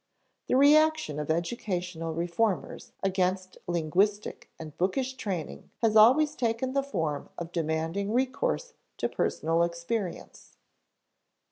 The reaction of educational reformers against linguistic and bookish training has always taken the form of demanding recourse to personal experience.